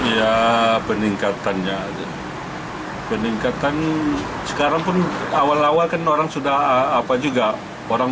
ya peningkatannya aja peningkatan sekarang pun awal awal kan orang sudah apa juga orang